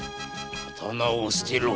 刀を捨てろ！